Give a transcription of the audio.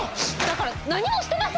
だから何もしてません！